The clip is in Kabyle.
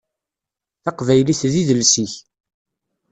Taqbaylit d idles-ik.